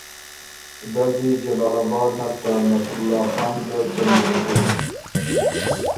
دل دی جلال آباد نر ته نصرالله خان ګۀ څمی سُکِن